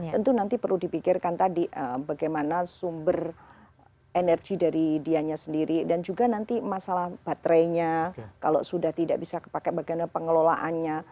tentu nanti perlu dipikirkan tadi bagaimana sumber energi dari dianya sendiri dan juga nanti masalah baterainya kalau sudah tidak bisa pakai bagaimana pengelolaannya